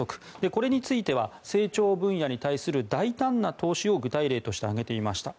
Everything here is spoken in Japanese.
これについては成長分野に対する大胆な投資を具体例として挙げていました。